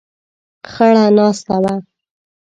خړه ناسته وه.